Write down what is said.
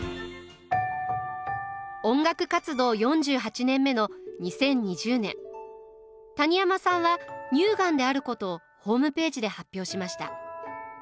音楽活動４８年目の２０２０年谷山さんは乳がんであることをホームページで発表しました。